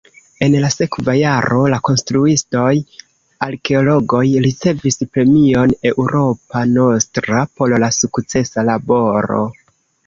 En la sekva jaro la konstruistoj-arkeologoj ricevis premion Europa Nostra por la sukcesa laboro.